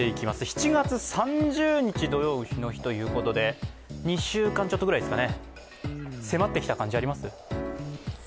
７月３０日、土用のうしの日ということで、２週間ちょっとぐらいですかね、迫ってきた感じあります？